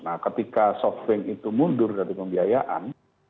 nah ketika softbank itu mundur dari pembiayaan